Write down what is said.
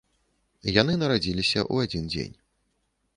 Яны нарадзіліся ў адзін дзень.